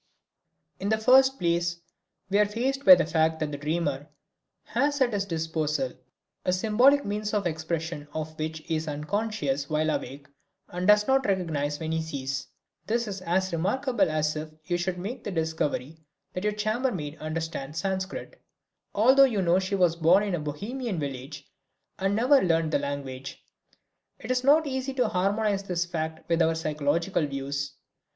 In the first place, we are faced by the fact that the dreamer has at his disposal a symbolic means of expression of which he is unconscious while awake, and does not recognize when he sees. That is as remarkable as if you should make the discovery that your chambermaid understands Sanskrit, although you know she was born in a Bohemian village and never learned the language. It is not easy to harmonize this fact with our psychological views.